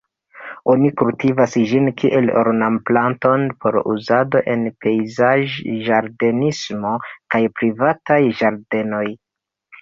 Oni kultivas ĝin kiel ornam-planton por uzado en pejzaĝ-ĝardenismo kaj privataj ĝardenoj.